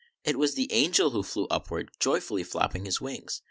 It was the angel who flew upward, joyfully flapping his wings.